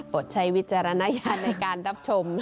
ใช้วิจารณญาณในการรับชม